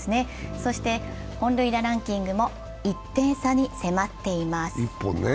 そして本塁打ランキングも１点差に迫っています。